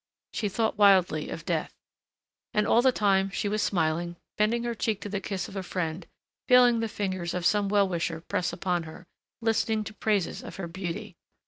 She thought wildly of death. And all the time she was smiling, bending her cheek to the kiss of a friend, feeling the fingers of some well wisher press upon her, listening to praises of her beauty....